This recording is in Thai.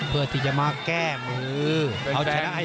เพื่อที่จะมาแก้มือ